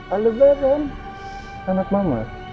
alebaran anak mama